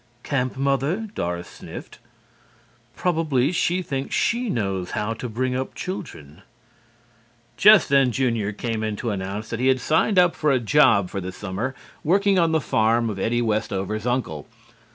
"Camp mother?" Doris sniffed, "Probably she thinks she knows how to bring up children " Just then Junior came in to announce that he had signed up for a job for the summer, working on the farm of Eddie Westover's uncle.